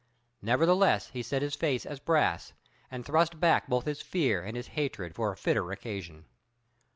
Nevertheless he set his face as brass, and thrust back both his fear and his hatred for a fitter occasion.